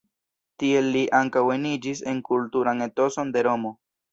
Tiel li ankaŭ eniĝis en kulturan etoson de Romo.